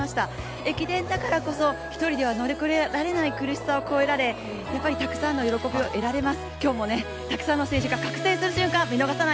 駅伝だからこそ１人では乗り越えられない苦しさを越えられたくさんの喜びを得られます。